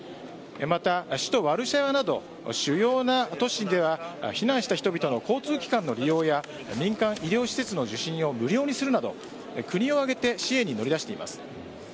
また、首都・ワルシャワなど主要な都市では避難した人々の交通機関の利用や民間医療施設の受診を無料にするなど国を挙げて支援に乗り出しています。